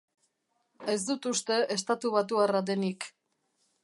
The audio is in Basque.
Ez dut uste estatubatuarra denik.